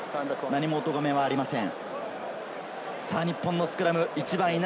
何もお咎めはありません。